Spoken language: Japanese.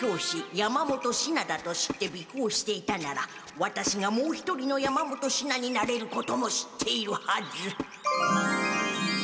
山本シナだと知ってびこうしていたならワタシがもう一人の山本シナになれることも知っているはず。